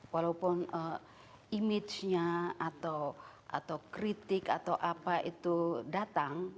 walaupun image nya atau kritik atau apa itu datang